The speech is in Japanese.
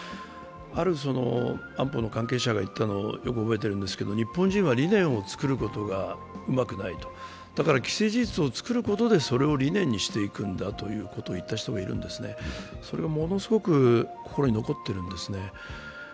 ある安保の関係者が言ったのをよく覚えているんですけど、日本人は理念を作ることがあまりうまくないと、だから既成事実を作ることでそれを理念にするんだと言っていた人がいて、それがものすごく心に残っているんです。